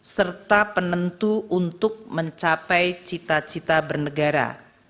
serta penentu untuk mencapai cita cita bernegara